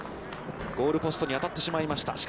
ゴールポストに当たってしまいました。